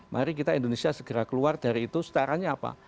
mari kita indonesia segera keluar dari itu setaranya apa